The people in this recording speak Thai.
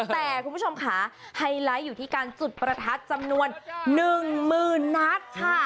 แต่คุณผู้ชมค่ะไฮไลท์อยู่ที่การจุดประทัดจำนวน๑๐๐๐นัดค่ะ